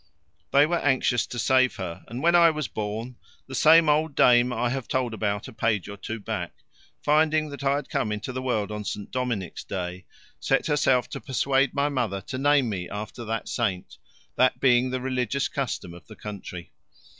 They were anxious to save her, and when I was born, the same old dame I have told about a page or two back, finding that I had come into the world on St. Dominic's Day, set herself to persuade my mother to name me after that saint, that being the religious custom of the country.